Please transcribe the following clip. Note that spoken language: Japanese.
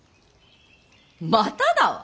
まただわ。